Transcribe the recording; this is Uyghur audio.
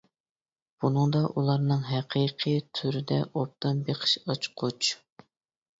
بۇنىڭدا ئۇلارنىڭ ھەقىقىي تۈردە ئوبدان بېقىش ئاچقۇچ.